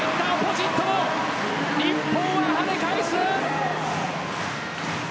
日本、跳ね返す。